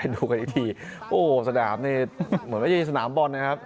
ดูกันอีกทีโอ้โหสนามนี่เหมือนไม่ใช่สนามบอลนะครับ